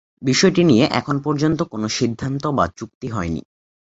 বিষয়টি নিয়ে এখন পর্যন্ত কোনো সিদ্ধান্ত বা চুক্তি হয়নি।